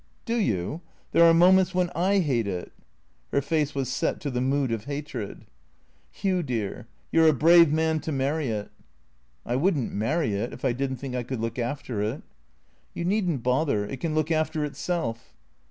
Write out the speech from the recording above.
■" Do you ? There are moments when I hate it. " Her face was set to the mood of hatred. THE CREATOES 277 " Hugh dear, you 're a brave man to marry it." " I would n't marry it, if I did n't think I could look after it." " You need n't bother. It can look after itself."